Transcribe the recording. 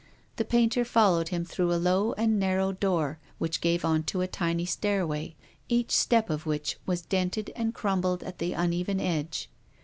The painter followed him through a low and narrow door which gave on to a tiny stairway, each step of which was dented and crumbled at the uneven edge.